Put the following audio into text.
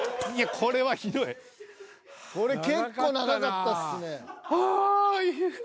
［これ結構長かったっすね］